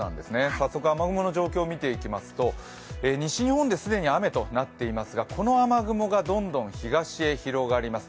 早速、雨雲の状況を見ていきますと西日本で既に雨となっていますが、この雨雲がどんどん東へ広がります。